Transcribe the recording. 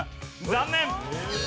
残念！